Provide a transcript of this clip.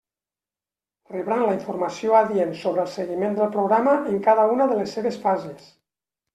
Rebran la informació adient sobre del seguiment del programa en cada una de les seves fases.